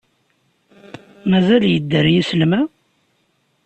Mazal yedder yislem-a?